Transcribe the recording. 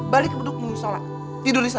balik ke beduk minggu sholat tidur disana